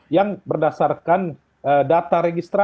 yang berdasarkan data